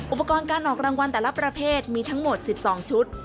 อุปกรณ์การออกรางวัลแต่ละประเภทมีทั้งหมด๑๒ชุด